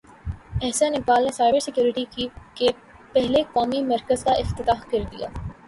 احسن اقبال نے cyber security کے پہلے قومی مرکز کا افتتاح کر دیا